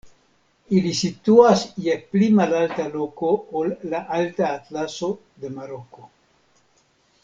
Ili situas je pli malalta loko ol la Alta Atlaso de Maroko.